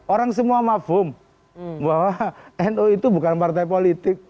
orang semua mafum bahwa nu itu bukan partai politik